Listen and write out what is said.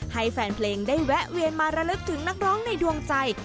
ให้แฟนเพลงได้แวะเวียนมาระลึกถึงนักร้องในดวงใจ